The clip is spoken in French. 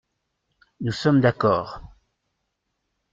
Nous sommes d’accord.